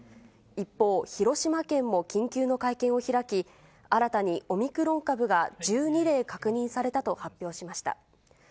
一方、広島県も緊急の会見を開き、新たにオミクロン株が１２例確認されたと発表しました。